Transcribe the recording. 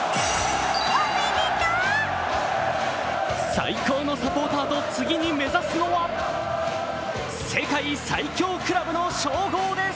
最高のサポーターと次に目指すのは世界最強クラブの称号です。